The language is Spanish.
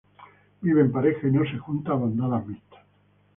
Vive en pareja y no se junta a bandadas mixtas.